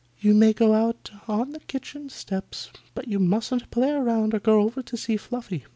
You may go out on the kitchen steps. But you mustn't play around or go over to see Fluffy.